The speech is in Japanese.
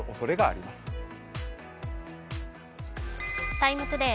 「ＴＩＭＥ，ＴＯＤＡＹ」